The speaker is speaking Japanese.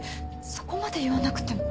そこまで言わなくても。